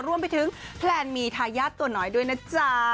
รวมไปถึงแพลนมีทายาทตัวน้อยด้วยนะจ๊ะ